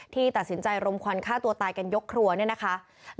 ที่ตัดสินใจร้มควันฆ่าตัวตายกันหรือยกครัว